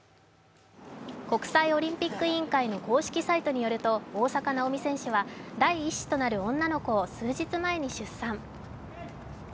国際オリンピック委員会の公式サイトによると大坂なおみ選手は第一子となる女の子を数日前に出産。